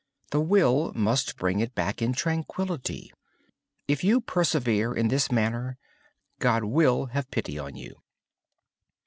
The will must bring it back in tranquillity. If you persevere in this manner, God will have pity on you.